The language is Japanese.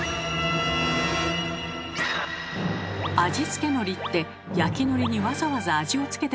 味付けのりって焼きのりにわざわざ味を付けてますよね。